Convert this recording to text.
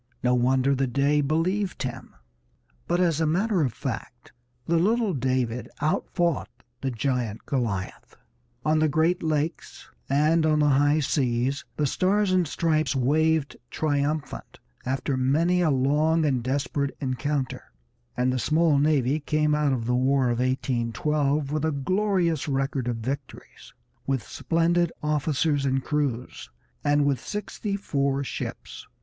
No wonder the Dey believed him. But as a matter of fact the little David outfought the giant Goliath; on the Great Lakes and on the high seas the Stars and Stripes waved triumphant after many a long and desperate encounter, and the small navy came out of the War of 1812 with a glorious record of victories, with splendid officers and crews, and with sixty four ships.